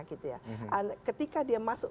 ketika dia masuk